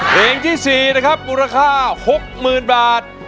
เพลงที่สี่แห่งนะครับรูปราคา๖๐๐๐๐บาท